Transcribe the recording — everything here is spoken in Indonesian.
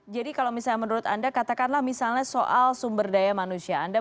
jadi kalau misalnya menurut anda katakanlah misalnya soal sumber daya manusia